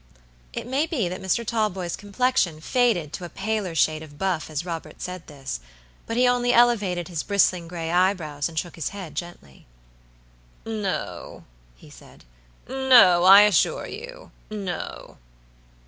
It may be that Mr. Talboys' complexion faded to a paler shade of buff as Robert said this; but he only elevated his bristling gray eyebrows and shook his head gently. "No," he said, "no, I assure you, no."